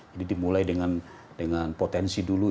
jadi dimulai dengan potensi